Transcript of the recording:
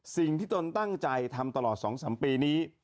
สิ่งที่ตนตั้งใจทำตลอด๒๓ปีนี้